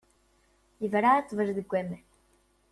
Yebra i ṭṭbel deg waman.